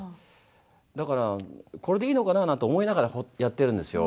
だからこれでいいのかな？なんて思いながらやっているんですよ。